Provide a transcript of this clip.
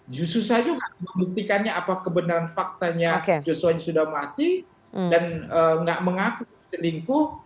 justru saja nggak bisa membuktikannya apa kebenaran faktanya joshua sudah mati dan nggak mengaku perselingkuh